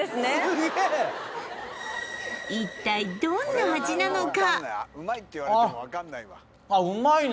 すげえ一体どんな味なのか？